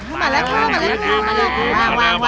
มาแล้วค่ะมาแล้วค่ะ